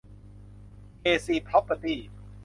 เค ซี พร็อพเพอร์ตี้